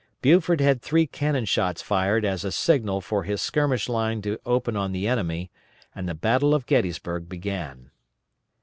Buford had three cannon shots fired as a signal for his skirmish line to open on the enemy, and the battle of Gettysburg began.